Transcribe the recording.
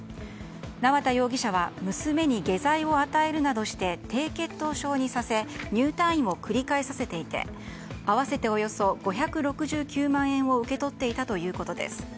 縄田容疑者は娘に下剤を与えるなどして低血糖症にさせ入退院を繰り返させていて合わせておよそ５６９万円を受け取っていたということです。